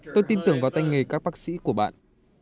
tôi tin tưởng vào tay nghề các bác sĩ của bạn